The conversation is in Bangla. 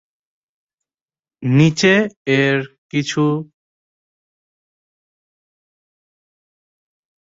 নিচে এর কিছু ধরন তুলে ধরা হলো।